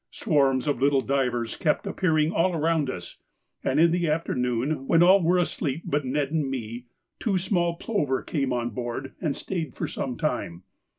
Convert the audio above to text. Swarms of little divers kept appearing all round us, and in the afternoon, when all were asleep but Ned and me, two small plover came on board and stayed for some time.